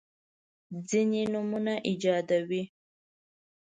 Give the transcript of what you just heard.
ځیني نومونه ایجادوي.